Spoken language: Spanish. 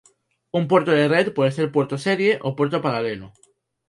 Un puerto de red puede ser puerto serie o puerto paralelo.